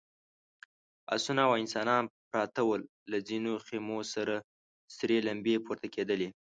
آسونه او انسانان پراته ول، له ځينو خيمو سرې لمبې پورته کېدلې….